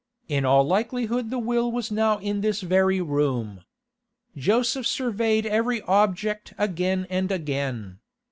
In all likelihood the will was now in this very room. Joseph surveyed every object again and again.